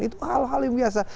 itu hal hal yang biasa